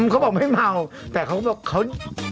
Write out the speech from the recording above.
เขาบอกไม่เมาแต่เขาบอกเขา